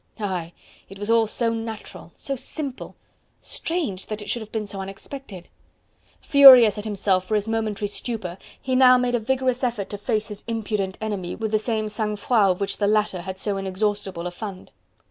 Aye! it was all so natural, so simple! Strange that it should have been so unexpected! Furious at himself for his momentary stupor, he now made a vigorous effort to face his impudent enemy with the same sang froid of which the latter had so inexhaustible a fund.